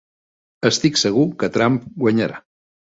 Estic segur que Trump guanyarà